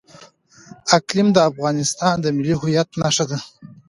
اقلیم د افغانستان د ملي هویت نښه ده.